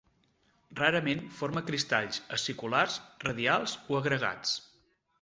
Rarament forma cristalls aciculars, radials o agregats.